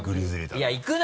いや行くな！